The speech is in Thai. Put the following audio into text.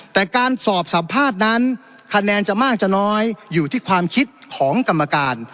แต่การสอบสัมภาษณ์นั้นคะแนนจะมากจะน้อยอยู่ที่ความคิดของกรรมการ